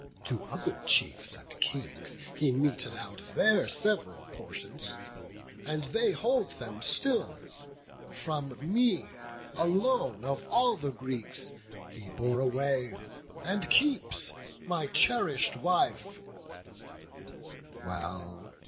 To other chiefs and Kings he meted out Their sev'ral portions, and they hold them still; From me, from me alone of all the Greeks, He bore away, and keeps my cherish'd wife; Well!